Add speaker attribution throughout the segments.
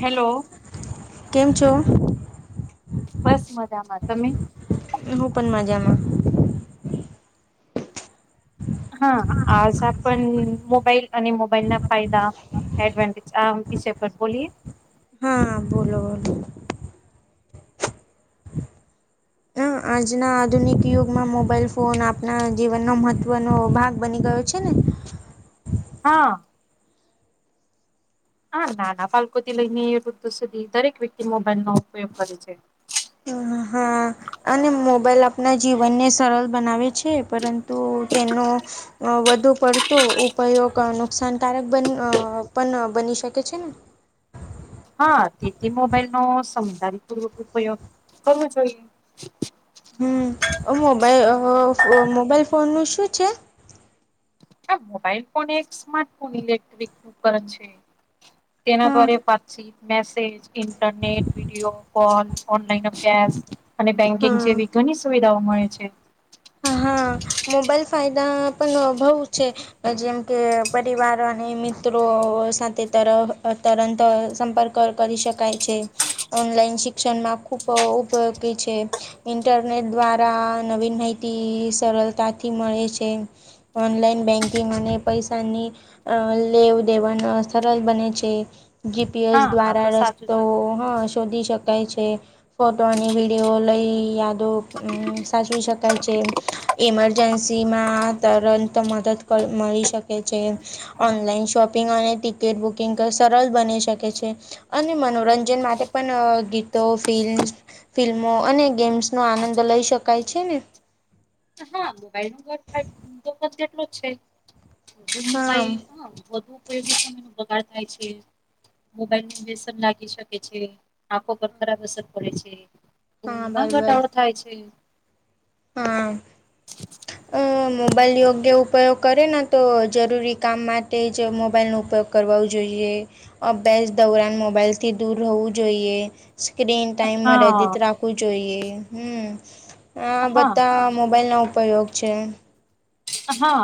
Speaker 1: Hello
Speaker 2: કેમ છો.
Speaker 1: બસ મજામાં તમે
Speaker 2: હું પણ મજામાં હમ
Speaker 1: હા આજ આપણ મોબાઈલ અને મોબાઈલ ના ફાયદા એડવાન્ટેજ બોલીએ
Speaker 2: હા બોલો બોલો હ આજના આધુનિક યુગમાં મોબાઈલ ફોન આપણા જીવનનો મહત્વનો ભાગ બની ગયો છે. છે ને
Speaker 1: હા હા નાના પાકોથી લઈને વૃદ્ધ સુધી દરેક વ્યક્તિ મોબાઈલ નો ઉપયોગ કરે છે.
Speaker 2: હા. અને મોબાઈલ આપણા જીવનને સરળ બનાવે છે પરંતુ તેનો વધુ પડતો ઉપયોગ નુકસાનકારક બ પણ બની શકે છે ને
Speaker 1: હા તેથી મોબાઈલ નો સમજારી પૂર્વક ઉપયોગ કરવો જોઈએ.
Speaker 2: હમ મોબાઈલ મોબાઈલ ફોન નું શું છે.
Speaker 1: હ મોબાઈલ ફોન એજ સ્માર્ટ ફોન ઇલેક્ટ્રિક પર છે. તેના
Speaker 2: હા
Speaker 1: ભરે પાછી message, internet, video call, online અભ્યાસ.. અને બેન્કિંગ
Speaker 2: હા
Speaker 1: જેવી ઘણી સુવિધાઓ મળે છે.
Speaker 2: હા, મોબાઈલ ફાયદા પણ અભઉ છે. જેમ કે પરિવાર અને મિત્રો સાથે તર તરંત સંપર્ક ર્ક કરી શકાય છે. ઓનલાઈન શિક્ષણમાં ખૂબ ઉપયોગી છે ઇન્ટરનેટ દ્વારા નવીન માહિતી સરળતાથી મળે છે. ઓનલાઈન બેન્કિંગ અને પૈસાની અ લેવ દેવન સરળ બને છે. જીપીએસ
Speaker 1: હા આ તો
Speaker 2: દ્વારા
Speaker 1: સાચું
Speaker 2: રસ્તો,
Speaker 1: છે.
Speaker 2: હ શોધી શકાય છે. ફોટો અને વિડિઓ લઈ યાદો સાચવી શકા કાય છે. ઇમરજન્સીમાં તરંત મદદ ક મળી શકે છે. ઓનલાઈન શોપિંગ અને ટિકિટ બુકિંગ સરળ બની શકે છે. અને મનોરંજન માટે પણ ગીતો ફિલ્ ફિલ્મો અને ગેમ્સ નો આનંદ લઈ શકાય છે ને.
Speaker 1: હા મોબાઈલ [inaudible] નો જેટલો
Speaker 2: હા
Speaker 1: છેબાઈ હુ. કોઈ બી [inaudible] ન બગાડ થાય છે મોબાઈલ સન લાગી શકે છે, આંખો પર ખરાબ અસર પડે છે.
Speaker 2: હા
Speaker 1: ઉમાં
Speaker 2: બરાબર
Speaker 1: ઘટાડો થાય છે.
Speaker 2: હા અ
Speaker 1: [inaudible]
Speaker 2: મોબાઈલ યોગ્ય ઉપયોગ કરે ને તો જરૂરી કામ માટે જ મોબાઈલનો ઉપયોગ કરવાવુ જોઈએ, અબ્યાસ દોરાણ મોબાઈલથી દૂર રહેવું જોઈએ. સ્ક્રીન ટાઈમ મર્યાદિટ
Speaker 1: હા
Speaker 2: રાખવું જોઈએ. હમ... આ
Speaker 1: હા
Speaker 2: બધા
Speaker 1: તો છે
Speaker 2: મોબાઈલનો ઉપયોગ છે.
Speaker 1: હા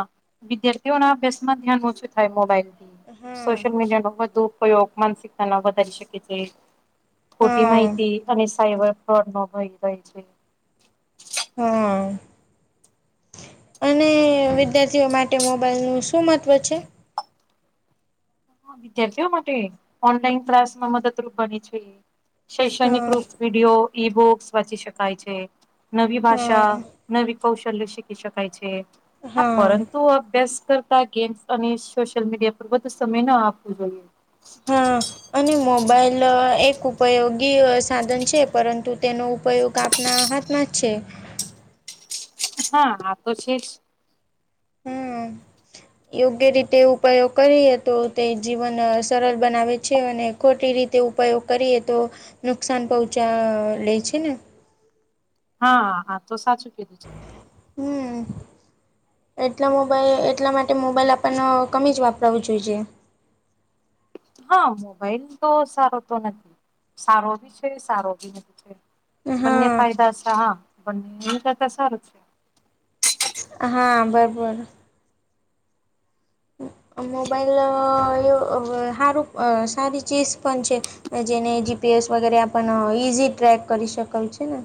Speaker 1: વિદ્યાર્થીઓ ના અભ્યાસ માં ધ્યાન ઓછું થાય મોબાઈલ
Speaker 2: હા
Speaker 1: સોશિયલ મીડિયા નો વધુ ઉપયોગ માનસિકતા ન વધારી શકે છે. ખોટી
Speaker 2: હા
Speaker 1: માહિતી અને સાયબર ફ્રોડ નો ભય રહે છે.
Speaker 2: હ અને વિદ્યાર્થીઓ માટે મોબાઈલનું શું મહત્ત્વ છે?
Speaker 1: વિદ્યાર્થીઓ માટે ઓનલાઈન ક્લાસમાં મદદરૂપ બની છે, શૈક્ષણિક
Speaker 2: હા
Speaker 1: રૂપ વિડીયો, ઈ બુક્સ વાંચી શકાય છે, નવી ભાષા,
Speaker 2: હા
Speaker 1: નવી કૌશલ્ય શીખી શકાય છે, હા પરંતુ અભ્યાસ કર તા ગેમ્સ અને સોશિયલ મીડિયા પર વધુ સમય ના આપવું જોઈએ.
Speaker 2: હા
Speaker 1: અચ્છા
Speaker 2: અને મોબાઈલ એક ઉપયોગી સાધન છે પરંતુ તેનો ઉપયોગ કાપના હાથમાં જ છે.
Speaker 1: હા, આ તો છે જ.
Speaker 2: હમ
Speaker 1: [inaudible]
Speaker 2: યોગ્ય રીટે ઉપાયો કરીએ તો તે જીવન સરળ બનાવે છે અને ખોટી રીતે ઉપયોગ કરીએ તો નુકસાન પહોંચા લે છે ને.
Speaker 1: હા, આ તો સાચું કીધું છે.
Speaker 2: હમ્મ એટલે મોબાઈલ એટલા માટે મોબાઈલ આપણને કમી જ વાપરાવું જોઈએ.
Speaker 1: હા મોબાઈલ તો સારો તો નથી, સારો ભી છે, સારો ભી નથી. બંને
Speaker 2: હા
Speaker 1: ફાયદા હા બંને ક હ
Speaker 2: હા બરોબર મોબાઈલ અ... એ હારું સારી ચીઝ પણ છે. જેને જીપીએસ વગેરે આપના હોઈ ઈઝી ટ્રેક કરી શકાય છે ને.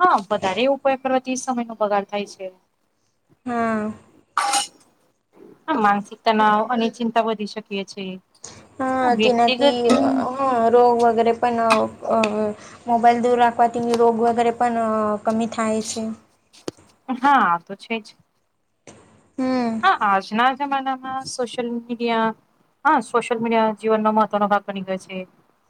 Speaker 1: હા, વધારે એવ ઉપયોગ કરવાથી સમય નો બગાર થાય છે.
Speaker 2: હા
Speaker 1: માનસિકતાનાવ અને ચિંતા વધી શકીએ છી.
Speaker 2: હા તેનાકી હ રોગ વગેરે પણ મોબાઈલ દૂર રાખવાથીની રોગ વગેરે પણ કમી થાય છે.
Speaker 1: હા આ તો છે, જ
Speaker 2: હમ
Speaker 1: હા આજના જમાનામાં સોશિલ મીડિયા હા સોશિયલ મીડિયા જીવનનો મહત્વનો ભાગ બની ગયો છે.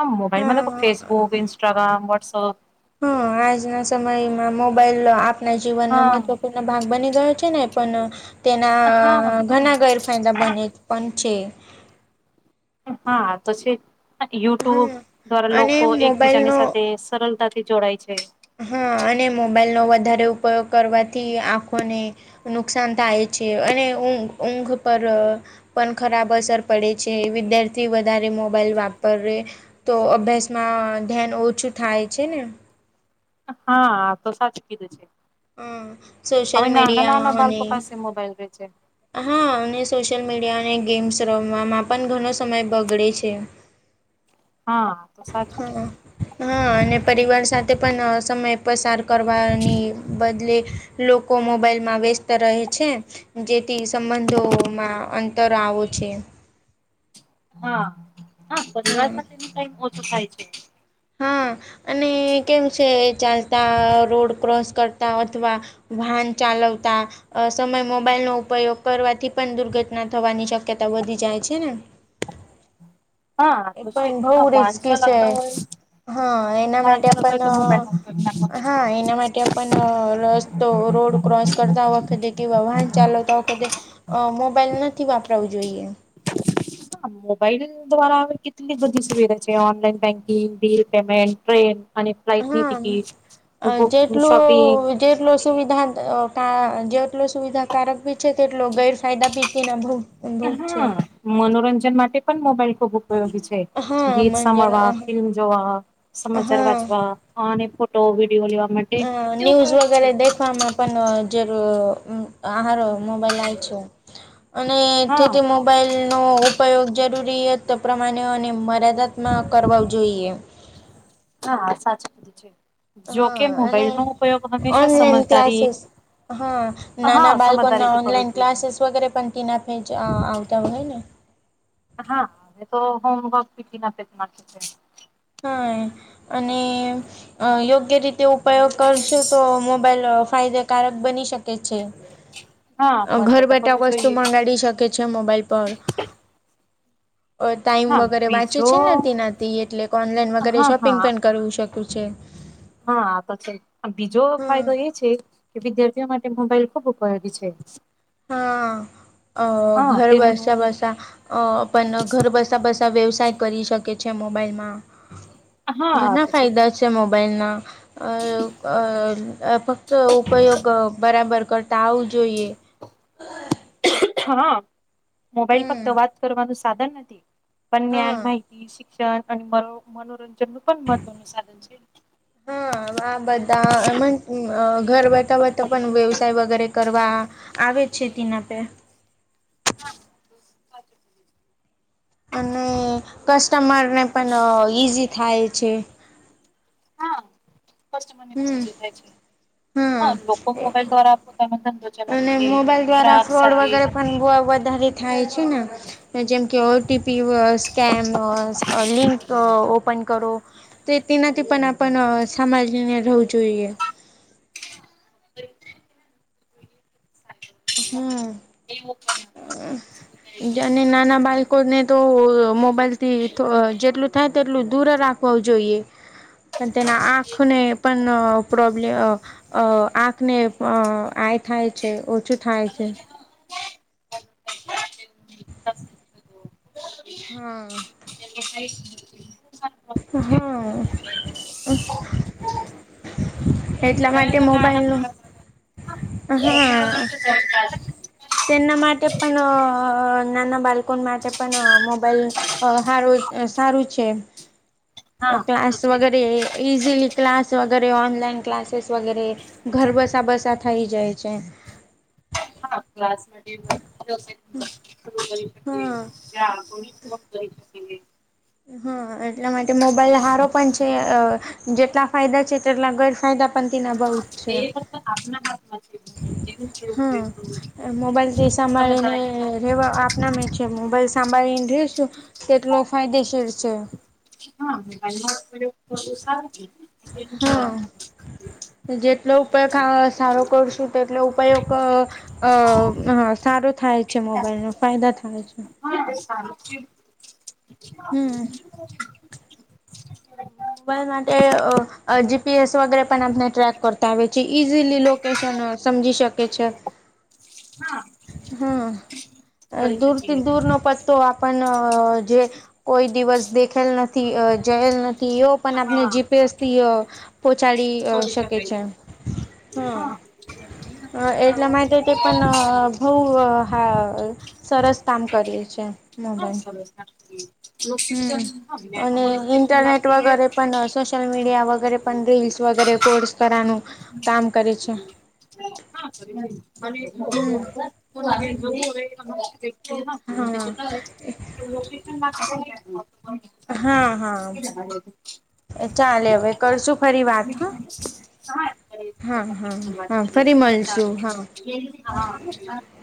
Speaker 1: હા મોબાઈલ મ
Speaker 2: હા
Speaker 1: ફેસબુક ન્સ્ટાગ્રામ વોટ્સઅપ
Speaker 2: હા આજના સમયમાં મોબાઈલ આપના જીવન ન
Speaker 1: હા
Speaker 2: મહત્વપૂર્ણ ભાગ બની ગયો છે ને પણ તેના
Speaker 1: હા
Speaker 2: ઘણા ગેરફાયદા બને પંચે
Speaker 1: હા તો છે. યુટ્યુબ
Speaker 2: હા
Speaker 1: દ્વારા
Speaker 2: અને
Speaker 1: લોકો એકબીજાની
Speaker 2: મોબાઈલનો
Speaker 1: સાથે સરળતાથી જોડાય છે.
Speaker 2: હા અને મોબાઈલનોો વધારે ઉપયોગ કરવાથી આંખોને નુકસાન થાય છે અને ઊંઘ ઊંઘ પર પણ ખરાબ અસર પડે છે વિદ્યાર્થી વધારે મોબાઈલ વાપર તો અભ્યાસમાં ધ્યાન ઓછું થાય છેને
Speaker 1: હા તો સાચ કીધું છે.
Speaker 2: હા સોશિયલ
Speaker 1: હવે નાના
Speaker 2: મીડિયા
Speaker 1: નાના
Speaker 2: અને
Speaker 1: બાળકો પાસે મોબાઈલ રહેે છે.
Speaker 2: હા અને સોશિયલ મીડિયા અને ગેમ્સ રમવામાં પણ ઘણો સમય બગડે છે.
Speaker 1: હા તો સાચ જ
Speaker 2: હા હા અને પરિવાર સાથે પણ સમય પસાર કરવાની બદલે લોકો મોબાઈલમાં વ્યસ્ત રહે છે. જેથી સંબંધોમાં અંતર આવો છે.
Speaker 1: હા હા પરિવાર
Speaker 2: હમ
Speaker 1: સાથે ન ટાઈમ ઓછો થાય છે.
Speaker 2: હા અને કેમ છે ચાલતા રોડ ક્રોસ કરતા અથવા વાહન ચાલવતા અ સમય મોબાઈલનોો ઉપયોગ કરવાથી પણ દુર્ઘટના થવાની શક્યતા વધી જાય છેન.
Speaker 1: હા
Speaker 2: એ
Speaker 1: તો છે
Speaker 2: પણ બહુ
Speaker 1: હા
Speaker 2: રિસ્કી
Speaker 1: વાંચા
Speaker 2: છે.
Speaker 1: લગતા હોય
Speaker 2: હા એના માટે
Speaker 1: વાંચા લગતા હોય તો
Speaker 2: પણ
Speaker 1: મોબાઈલનો ઉપયોગ ના કરવો
Speaker 2: હા
Speaker 1: જોઈએ
Speaker 2: એના માટે પણ રસ તો રોડ ક્રોસ કરતા વખતે કેવા વાહન ચાલવતા વખતે અ મોબાઈલ નથી વાપરાવું જોઈએ.
Speaker 1: હ મોબાઈલ દ્વારા કેટલી બધી સુવિધા છે online banking bill payment train અને ફ્લાઇટની
Speaker 2: હા
Speaker 1: ટિકિટ બુક શોપિંગ
Speaker 2: જેટલું જેટલો સુવિધા જેટલો સુવિધાકારક ભી છે તેટલો ગેરફાયદા પીતી ના ભ
Speaker 1: હા મનોરંજન માટે પણ મોબાઈલ ખૂબ યોગી છે
Speaker 2: હા
Speaker 1: ગીત
Speaker 2: મંજન
Speaker 1: સાભળવા ફિલ્મ જોવા સમાચાર
Speaker 2: હા
Speaker 1: વાંચવા હ ફોટો વ વિડીયો લવા
Speaker 2: અ ન્યૂઝ વગેરે દ ફમ પણ જે આાર મોબાઈલ છે. અને
Speaker 1: હા
Speaker 2: એથીથી મોબાઈલનો ઉપયોગ જરૂરી પ્રમાણે અને મર્યાદાતમાં કરો જોઈએ.
Speaker 1: હા સાચું બધું છે જોકે
Speaker 2: હા અને
Speaker 1: મોબાઈલ નો ઉપયોગ હંમેશા
Speaker 2: ઓનલાઈન
Speaker 1: સમજદારી એ
Speaker 2: ક્લાસીસ હા નાના બાળકો ના ઓનલાઈન
Speaker 1: જોઈએ.
Speaker 2: ક્લાસીસ વગેરે પણ ના ફે આવતા હો હોય, ને
Speaker 1: હા હ તો હોમવર્કી ના
Speaker 2: હા અને યોગ્ય રીતે ઉપયોગ કરશો તો મોબાઈલ ફાયદેકારક બની શકે છે.
Speaker 1: હા
Speaker 2: ઘર
Speaker 1: મર્યાદા
Speaker 2: બેઠા
Speaker 1: કરવું
Speaker 2: વસ્તુ
Speaker 1: જોઈએ
Speaker 2: મગાડી શકે છે મોબાઈલ પર ટાઈમ
Speaker 1: હા
Speaker 2: વગેરે વાંચે
Speaker 1: બીજો
Speaker 2: છે નથી તેના એટલે કે ઓનલાઈન વગેરે
Speaker 1: હા
Speaker 2: શોપિંગ
Speaker 1: હા
Speaker 2: પણ કરવું શકું છે.
Speaker 1: હા આ તો છે બીજો
Speaker 2: હમ
Speaker 1: ફાયદો એ છે. કે વિદ્યાર્થીઓ માટે મોબાઈલ ખુબ ઉપયોગી છે.
Speaker 2: હા અ
Speaker 1: હા
Speaker 2: ઘર બસા
Speaker 1: તેમનું
Speaker 2: બસા અ પણ ઘર બસા બસા વ્યવસાય કરી શકે છે મોબાઈલમાં
Speaker 1: હા
Speaker 2: ઘણા
Speaker 1: તો
Speaker 2: ફાયદા છે મોબાઈલ ના અ અ ફક્ત ઉપયોગ બરાબર કરતા આવું જોઈએ
Speaker 1: હા મોબાઈલ ફક્ત
Speaker 2: હમ
Speaker 1: વાત કરવાનું સાધન નથી પણ જ્ઞાન
Speaker 2: હા
Speaker 1: માહિતી શિક્ષણ અને મનોરંજન નું પણ મહત્વનું સાધન છે.
Speaker 2: હા આ બધા ઘર બતા બતા પણ વ્યવ વગેરે કરવા આવે છે તેના આપે
Speaker 1: હા સાચું.
Speaker 2: અને કસ્ટમરને પણ ઈઝી થાય છે. હમ હા
Speaker 1: ાય લોકો મોબાઈલ દ્વા આપ તો ધંધો ચલાવે
Speaker 2: અને
Speaker 1: છે
Speaker 2: મોબાઈલ દ્વારા
Speaker 1: ગ્રાહક
Speaker 2: ફ્રોડ
Speaker 1: સાથે
Speaker 2: વગેરે પણ વધારે થાય છે ને જેમ કે
Speaker 1: હા
Speaker 2: ઓટીપી સ્કેમ લિંક ઓપન કરો. તે તેનાથી પણ આપણ સમાજ રહેવું જોઈએ
Speaker 1: એ
Speaker 2: હમ
Speaker 1: એવું
Speaker 2: ને નાના બાળકોને તો મોબાઈલથી જેટલું થાય તેટલું દૂર રાખવ જોઈએ પણ તેના આંખને પણ પ્રોબ્લેમ અ આંખ ને આ થાય છે ઓછું થાય છે. હા
Speaker 1: એ
Speaker 2: હા એટલા માટે
Speaker 1: તો નાના
Speaker 2: મોબાઈલ નો
Speaker 1: નાના
Speaker 2: હા તેના માટે પણ નાના બાળકો માટે પણ મોબાઈલ અ સારું સારું છે.
Speaker 1: [inaudible] તો
Speaker 2: ક્લાસ
Speaker 1: છે
Speaker 2: વગેરે ઇઝીલી ક્લાસ વગેરે ઓનલાઈન ક્લાસીસ વગેરે ઘર બસા બસા થઈ જાય છે.
Speaker 1: ક્
Speaker 2: હા
Speaker 1: એ
Speaker 2: હા એટલા માટે મોબાઈલ સારો પણ છે જેટલા ફાયદા છે તેટલા ગેરફાયદા પણંતના બહુ
Speaker 1: હા
Speaker 2: જ છે
Speaker 1: એ ફક્ત આપના હામાં ઉપયોગએ
Speaker 2: હા
Speaker 1: બધ
Speaker 2: વા આપનામે છે મોબાઈલ સાંભળીને રશું તેટલો ફાયદેશીર છે.
Speaker 1: હાાઈ
Speaker 2: હા જેટલો ઉપાયગ સારો કરશું તેટલો ઉપાયગ અ હ સારો થાય છે
Speaker 1: હા
Speaker 2: મોબાઈલ નો ફાયદા થાય છે. હમ
Speaker 1: [inaudible]
Speaker 2: મોબલ માટે જીપીએસ વગેરે પણ આપને ટ્રેક કરતા આવે છે ઈઝીલી શન સમજી શકે છે.
Speaker 1: હા
Speaker 2: હા
Speaker 1: કરી
Speaker 2: દૂર થી
Speaker 1: શકીએ
Speaker 2: દૂર નો પ તો આપણ જે કોઈ દિવસ દેખેલ નથી જયલ નથી કેઓ પણ આપને
Speaker 1: હા
Speaker 2: જીપેથી પહોચાડી
Speaker 1: શોધી
Speaker 2: શકે
Speaker 1: શકાય
Speaker 2: છે. હમ
Speaker 1: હા
Speaker 2: એટલા માટે તે પણ બહ હા સરસ કામ કરીએ છે.
Speaker 1: હા
Speaker 2: મોબાઈલ
Speaker 1: સરસ
Speaker 2: હમ
Speaker 1: લોકેશન હા મેપ પણ લોકેશન નાાખીએ
Speaker 2: સોશિલ મીડિયા વગેરે પણ રીલ્સ વગેરે કોર્સ કરવાનું કામ કરે છે. હમ
Speaker 1: [inaudible]
Speaker 2: હા
Speaker 1: [inaudible]
Speaker 2: હા હા
Speaker 1: [inaudible]
Speaker 2: ચાલે હવે કરશું ફરી વાત હા હા હા હા ફરી મળશું હા
Speaker 1: [inaudible]